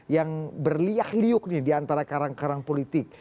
yang berliak liuk nih diantara karang karang politik